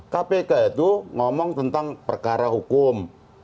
kpk itu ngomong tentang perkara hukum